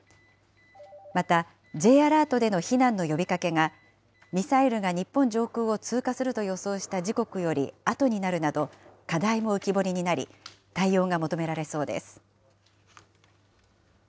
またＪアラートでの避難の呼びかけが、ミサイルが日本上空を通過すると予想した時刻よりあとになるなど、課題も浮き彫りになり、対応が求められそうです。